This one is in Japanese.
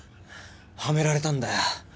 はめられたんだよ。